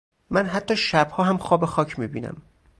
من حتا شبها هم خواب خاک میبینم